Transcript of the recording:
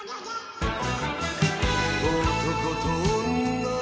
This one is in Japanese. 「男と女」